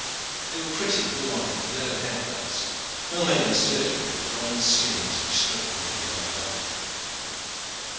They were pretty, blue eyed, yellow haired lads, well made and sturdy, with bronzed skins, which spoke of a woodland life.